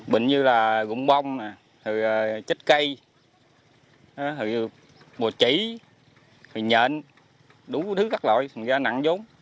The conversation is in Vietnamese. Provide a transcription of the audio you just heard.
bệnh như là gụng bông thừa chích cây thừa bột trĩ thừa nhện đủ thứ các loại thành ra nặng vốn